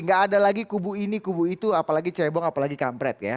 gak ada lagi kubu ini kubu itu apalagi cebong apalagi kampret ya